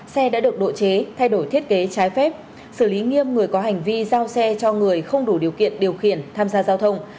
xe đã được độ chế thay đổi thiết kế trái phép xử lý nghiêm người có hành vi giao xe cho người không đủ điều kiện điều khiển tham gia giao thông